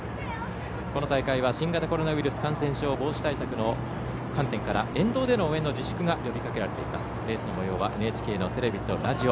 この大会は新型コロナウイルス感染症防止対策の観点から沿道での応援の自粛が呼びかけられています。